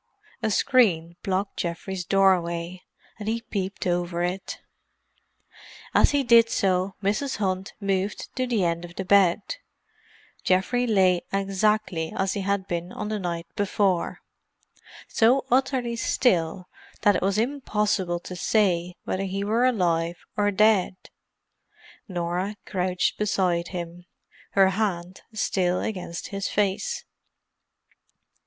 A screen blocked Geoffrey's doorway, and he peeped over it. As he did so, Mrs. Hunt moved to the end of the bed. Geoffrey lay exactly as he had been on the night before; so utterly still that it was impossible to say whether he were alive or dead. Norah crouched beside him, her hand still against his face.